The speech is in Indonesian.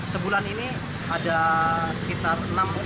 sebulan ini ada sekitar enam sampai tujuh